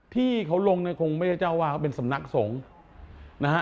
ที่เขาลงคงไม่ได้เจ้าว่าเป็นสำนักสงฆ์